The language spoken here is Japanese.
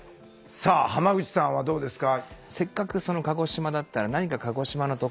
さあ濱口さんはどうですか？